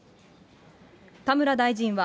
田村大臣は、